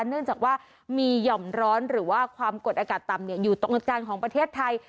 เนื่องจากว่ามีหย่อมร้อนหรือว่าความกดอากาศต่ำอยู่ตรงกลางของประเทศไทย